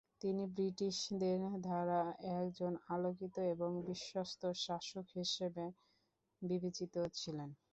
তিনি ব্রিটিশদের দ্বারা একজন আলোকিত এবং বিশ্বস্ত শাসক হিসাবে বিবেচিত ছিলেন।